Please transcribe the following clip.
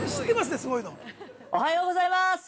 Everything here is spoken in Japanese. ◆おはようございます。